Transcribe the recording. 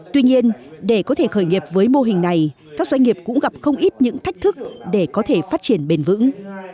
tuy nhiên để có thể khởi nghiệp với mô hình này các doanh nghiệp cũng gặp không ít những thách thức để có thể phát triển bền vững